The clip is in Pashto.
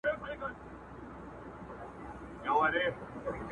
ما یي کمرونو کي لعلونه غوښتل!!